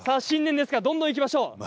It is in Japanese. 新年ですがどんどんいきましょう。